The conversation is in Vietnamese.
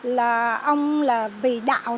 là ông là vì đảng trong